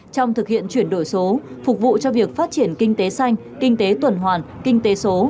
trong thực hiện chuyển đổi số phục vụ cho việc phát triển kinh tế xanh kinh tế tuần hoàn kinh tế số